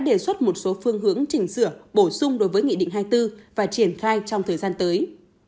đề xuất một số phương hướng chỉnh sửa bổ sung đối với nghị định hai mươi bốn và triển khai trong thời gian tới